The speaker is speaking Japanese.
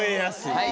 はい。